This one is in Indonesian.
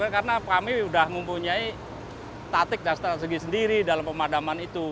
karena kami sudah mempunyai tatik dan strategi sendiri dalam pemadaman itu